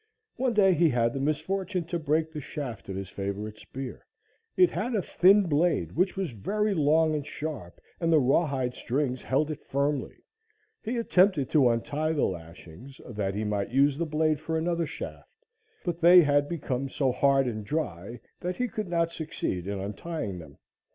One day he had the misfortune to break the shaft of his favorite spear. It had a thin blade which was very long and sharp, and the rawhide strings held it firmly. He attempted to untie the lashings, that he might use the blade for another shaft, but they had become so hard and dry that he could not succeed in untying them.